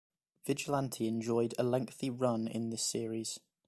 Vigilante enjoyed a lengthy run in this series.